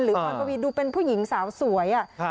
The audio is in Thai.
หรืออ่อนปวีจน์ดูเป็นผู้หญิงสาวสวยค่ะ